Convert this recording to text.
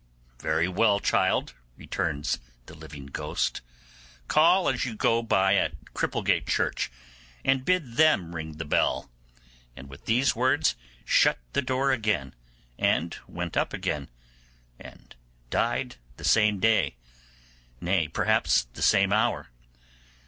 'Very well, child,' returns the living ghost; 'call as you go by at Cripplegate Church, and bid them ring the bell'; and with these words shut the door again, and went up again, and died the same day; nay, perhaps the same hour.